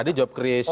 tadi jawab kreasi